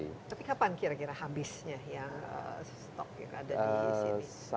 tapi kapan kira kira habisnya yang stok yang ada di sini